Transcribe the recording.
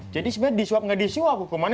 jadi sebenarnya disuap ngedisiwak hukumannya